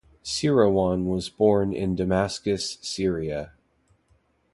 Seirawan was born in Damascus, Syria.